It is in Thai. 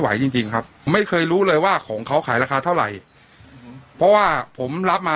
จริงจริงครับไม่เคยรู้เลยว่าของเขาขายราคาเท่าไหร่เพราะว่าผมรับมา